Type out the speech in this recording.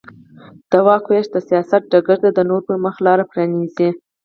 د واک وېش د سیاست ډګر ته د نورو پرمخ لار پرانېزي.